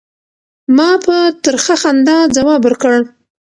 ما په ترخه خندا ځواب ورکړ.